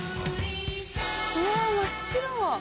うわ真っ白！